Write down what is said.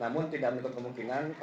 tapi kan di sisi apa namanya